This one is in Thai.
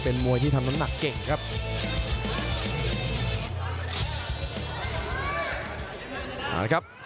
มวยที่ทำน้ำหนักเก่งครับ